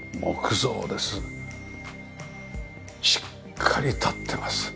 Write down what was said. しっかり建ってます。